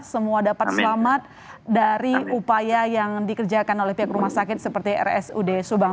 semua dapat selamat dari upaya yang dikerjakan oleh pihak rumah sakit seperti rsud subang